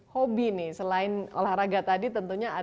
hobi nih selain olahraga tadi tentunya ada